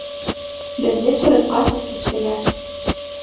Беҙҙе күреп ҡасып киттеләр.